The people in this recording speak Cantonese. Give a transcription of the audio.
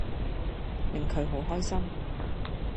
令佢好開心